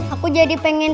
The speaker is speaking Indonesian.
aku jadi pengen